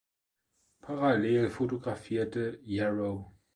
Parallel fotografierte Yarrow.